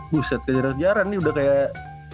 pusat kejar kejaran nih udah kayak